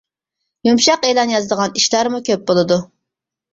يۇمشاق ئېلان يازىدىغان ئىشلارمۇ كۆپ بولىدۇ.